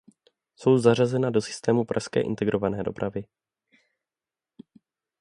Jsou zařazena do systému Pražské integrované dopravy.